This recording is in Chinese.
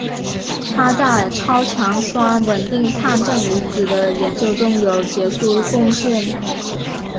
他在超强酸稳定碳正离子的研究中有杰出贡献。